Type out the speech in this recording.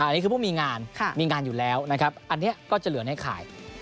อันนี้คือผู้มีงานมีงานอยู่แล้วนะครับอันนี้ก็จะเหลือในข่าย